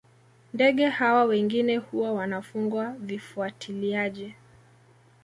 Ndege hawa wengine huwa wanafungwa vifuatiliaji